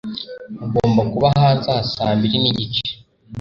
Ugomba kuba hanze aha saa mbiri nigice.